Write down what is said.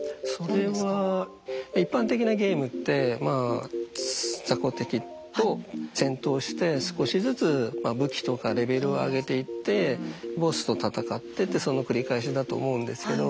それは一般的なゲームってまあザコ敵と戦闘して少しずつ武器とかレベルを上げていってボスと戦ってってその繰り返しだと思うんですけど